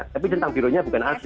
tapi centang birunya bukan asli